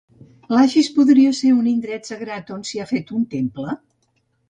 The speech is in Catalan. L'axis podria ser un indret sagrat on s'hi ha fet un temple?